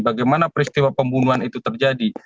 bagaimana peristiwa pembunuhan itu terjadi